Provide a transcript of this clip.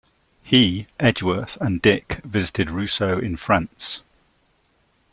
He, Edgeworth and Dick visited Rousseau in France.